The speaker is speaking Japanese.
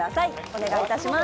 お願いいたします